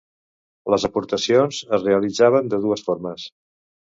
Les aportacions es realitzaven de dues formes.